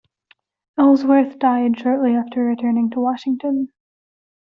Ellsworth died shortly after returning to Washington.